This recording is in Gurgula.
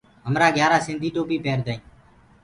همرآ گھِيآرآ سنڌي ٽوپيٚ پيردآ هينٚ۔